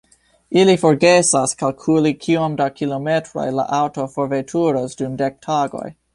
Ili forgesas kalkuli kiom da kilometroj la aŭto forveturos dum dek tagoj.